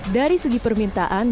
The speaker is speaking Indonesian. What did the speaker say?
dari segi permintaan